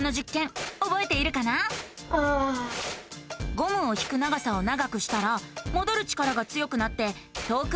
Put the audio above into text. ゴムを引く長さを長くしたらもどる力が強くなって遠くまでうごいたよね。